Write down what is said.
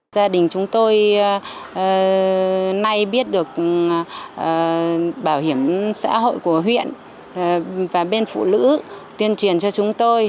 gia đình chúng tôi nay biết được bảo hiểm xã hội của huyện và bên phụ nữ tuyên truyền cho chúng tôi